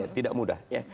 tidak mudah ya